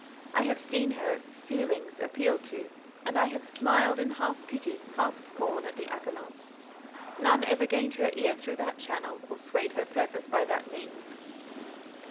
I have seen her feelings appealed to, and I have smiled in half pity, half scorn at the appellants. None ever gained her ear through that channel, or swayed her purpose by that means.